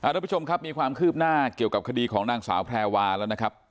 ทุกผู้ชมครับมีความคืบหน้าเกี่ยวกับคดีของนางสาวแพรวาแล้วนะครับ